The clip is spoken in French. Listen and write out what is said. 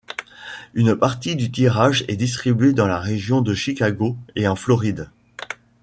Une partie du tirage est distribuée dans la région de Chicago et en Floride.